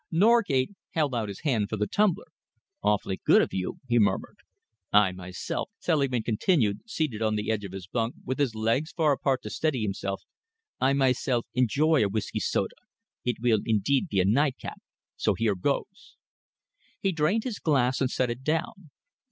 Norgate held out his hand for the tumbler. "Awfully good of you," he murmured. "I myself," Selingman continued, seated on the edge of the bunk, with his legs far apart to steady himself, "I myself enjoy a whisky soda. It will be indeed a nightcap, so here goes." He drained his glass and set it down.